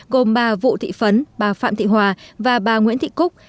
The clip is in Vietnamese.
gồm ba vụ thị phấn ba phạm thị hòa và ba nguyễn thị cúc